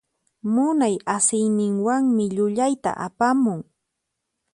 Munay asiyninwanmi llullayta apamun.